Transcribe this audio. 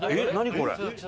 これ。